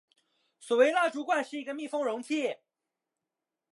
所谓蜡烛罐是一个密封容器。